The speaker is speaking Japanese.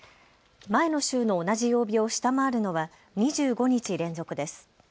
前の週の同じ曜日を下回るのは２５日連続です。